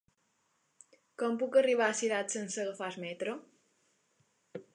Com puc arribar a Cirat sense agafar el metro?